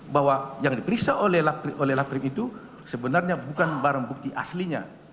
bahwa yang diperiksa oleh laprim itu sebenarnya bukan barang bukti aslinya